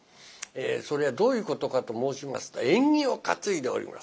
それはどういうことかと申しますと縁起を担いでおります。